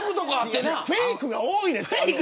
フェイクが多いねん。